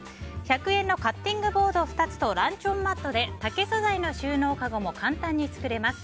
１００円のカッティングボード２つとランチョンマットで竹素材の収納かごも簡単に作れます。